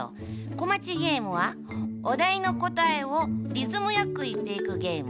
こまちゲームはおだいのこたえをリズムよくいっていくゲーム。